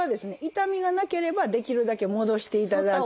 痛みがなければできるだけ戻していただく。